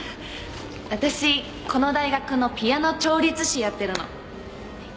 私この大学のピアノ調律師やってるの。